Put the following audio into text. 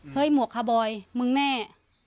เฮ้ยหมวกคาบอยมึงแม่